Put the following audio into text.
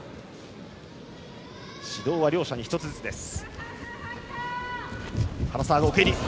指導は両者に１つずつです。